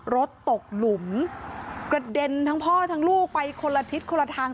รถตกหลุมกระเด็นทั้งพ่อทั้งลูกไปคนละทิศคนละทาง